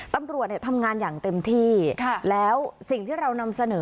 ตำรวจทำงานอย่างเต็มที่แล้วสิ่งที่เรานำเสนอ